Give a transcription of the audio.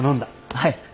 はい。